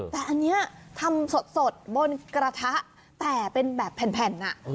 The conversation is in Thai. แต่อันนี้ทำสดบนกระทะแต่เป็นแบบแผ่น